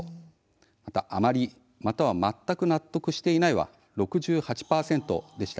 また、あまり、または全く納得していないは６８％でした。